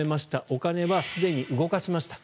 お金はすでに動かしました